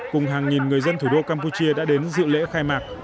cùng hàng nghìn người dân thủ đô campuchia đã đến dự lễ khai mạc